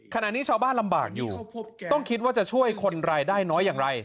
ขณะนี้ชาวบ้านลำบากอยู่ต้องคิดว่าจะช่วยคนรายได้น้อยอย่างไร